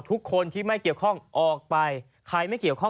ทุกคนที่ไม่เกี่ยวข้องออกไปใครไม่เกี่ยวข้อง